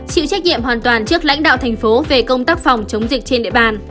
chịu trách nhiệm hoàn toàn trước lãnh đạo thành phố về công tác phòng chống dịch trên địa bàn